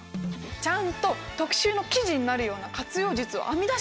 ちゃんと特集の記事になるような活用術を編み出してくださいよ！